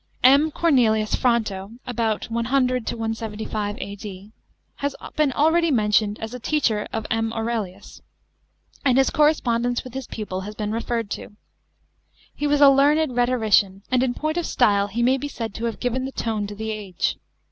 M. CORNELIUS FRONTO (about 100 175 A.D.) has been already mentioned as a teacher of M. Aurelius, and his correspondence with his pupil has been referred to. He was a learned rhetorician, and in point of style he may be said to have given the tone to the age.